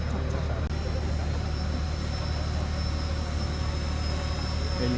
สวัสดีทุกคน